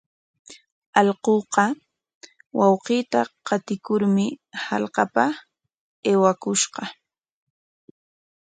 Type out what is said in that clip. Allquuqa wawqiita qatikurmi hallqapa aywakushqa.